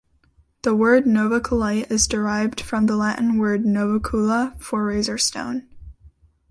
The word novaculite is derived from the Latin word "novacula", for razor stone.